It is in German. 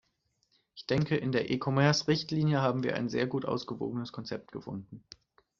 Ich denke, in der E-Commerce-Richtlinie haben wir ein sehr gut ausgewogenes Konzept gefunden.